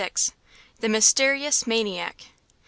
THE MYSTERIOUS MANIAC.